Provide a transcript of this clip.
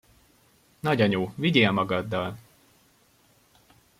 Nagyanyó, vigyél magaddal!